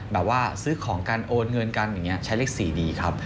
แบบว่าซื้อของกันโอนเงินกันอย่างนี้ใช้เลข๔ดีครับ